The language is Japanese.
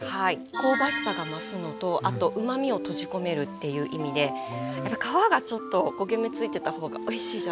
香ばしさが増すのとあとうまみを閉じ込めるっていう意味でやっぱ皮がちょっと焦げ目ついてた方がおいしいじゃないですか。